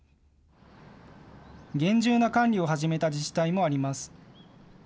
厳重な管理を始めた自治体もあります。